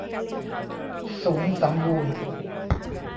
ศูนย์สัมบูรณ์